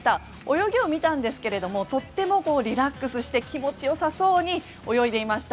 泳ぎを見たんですがとってもリラックスをして気持ち良さそうに泳いでいました。